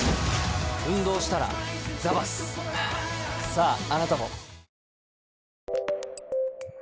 ああなたも。